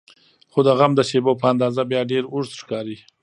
خو د غم د شیبو په اندازه بیا ډېر اوږد ښکاري.